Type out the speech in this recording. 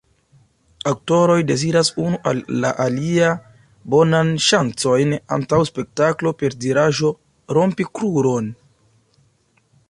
Aktoroj deziras unu al la alia bonan ŝancon antaŭ spektaklo per diraĵo "Rompi kruron!